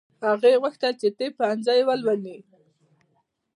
هغې غوښتل چې طب پوهنځی ولولي